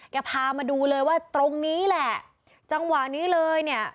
พามาดูเลยว่าตรงนี้แหละจังหวะนี้เลยเนี่ย